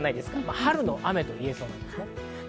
春の雨といえそうです。